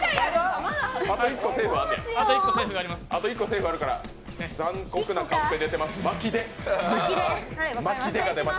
あと１個セーフあるから残酷なカンペ出てます、巻きで。